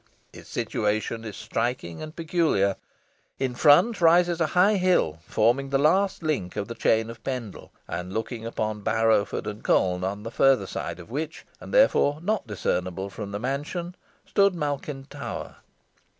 Its situation is striking and peculiar. In front rises a high hill, forming the last link of the chain of Pendle, and looking upon Barrowford and Colne, on the further side of which, and therefore not discernible from the mansion, stood Malkin Tower.